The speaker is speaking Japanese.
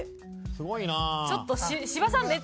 すごいなあ。